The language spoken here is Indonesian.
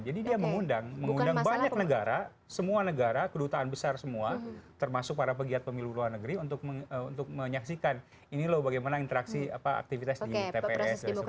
jadi dia mengundang banyak negara semua negara kedutaan besar semua termasuk para pegiat pemilu luar negeri untuk menyaksikan ini loh bagaimana interaksi aktivitas di tprs